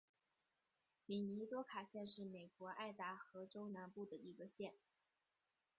米尼多卡县是美国爱达荷州南部的一个县。